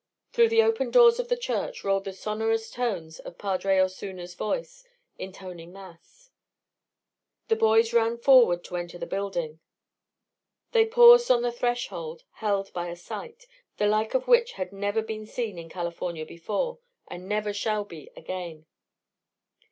Through the open doors of the church rolled the sonorous tones of Padre Osuna's voice, intoning mass. The boys ran forward to enter the building. They paused on the threshold, held by a sight, the like of which had never been seen in California before, and never shall be again.